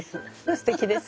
すてきです。